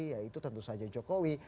ya itu tentu saja jokowi